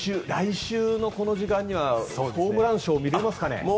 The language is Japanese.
来週のこの時間にはホームランショー見れますかね？